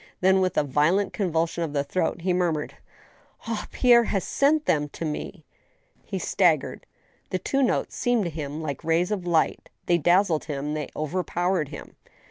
Then with a violent convulsion of the throat he murmured :" Ah ! Pierre has sent them to me !" He staggered. The two notes seemed to him like rays of light, they dazzled him, they overpowered him.